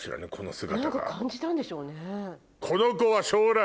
何か感じたんでしょうね。